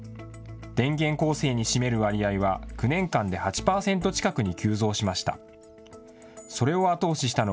電源構成に占める割合は９年間で８％近くに急増しました。